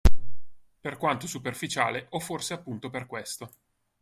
Per quanto superficiale o forse appunto per questo.